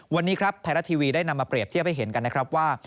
วันนี้ครับไทยรัฐทีวีได้นำมาเปรียบเทียบให้เห็นกันนะครับว่า